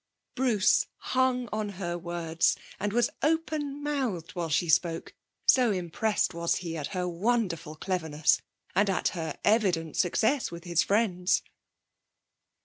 Bruce hung on her words and was open mouthed while she spoke, so impressed was he at her wonderful cleverness, and at her evident success with his friends.